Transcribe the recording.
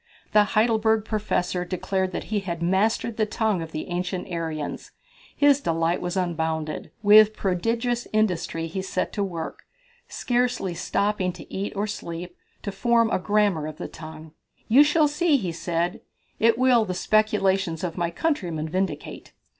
The Heidelberg Professor declared that he had mastered the tongue of the ancient Aryans. His delight was unbounded. With prodigious industry he set to work, scarcely stopping to eat or sleep, to form a grammar of the language. "You shall see," he said, "it will the speculations of my countrymen vindicate."